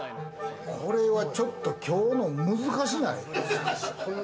これはちょっときょうの難しない？